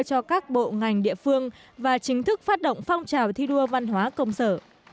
cho các bộ ngành địa phương và chính thức phát động phong trào thi đua văn hóa công sở